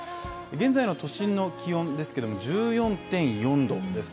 現在の都心の気温ですけども、１４．４度です。